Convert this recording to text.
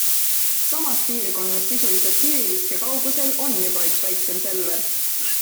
Samas piirkonnas sisuliselt kiviviske kaugusel on juba üks väiksem Selver.